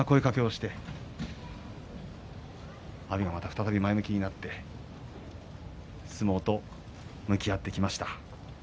ひたむきに前向きになって相撲と向き合ってきました。